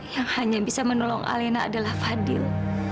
yang hanya bisa menolong alena adalah fadil